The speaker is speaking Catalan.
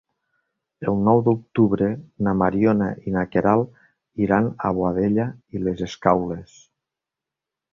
El nou d'octubre na Mariona i na Queralt iran a Boadella i les Escaules.